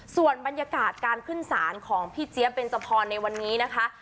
ส่วนบรรยากาศการขึ้นศาลของพี่เจี๊ยเบนจพรในวันนี้นะคะ